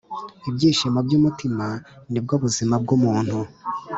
Ibyishimo by’umutima, ni bwo buzima bw’umuntu,